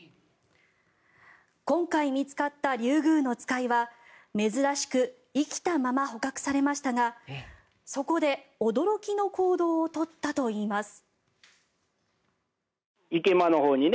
今回見つかったリュウグウノツカイは珍しく生きたまま捕獲されましたがそこで驚きの行動を取ったといいます。